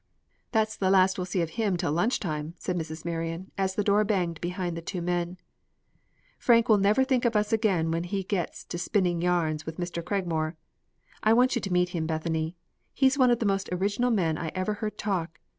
"That's the last we'll see of him till lunch time," said Mrs. Marion, as the door banged behind the two men. "Frank will never think of us again when he gets to spinning yarns with Mr. Cragmore. I want you to meet him, Bethany. He is one of the most original men I ever heard talk.